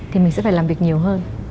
thì mình sẽ phải làm việc nhiều hơn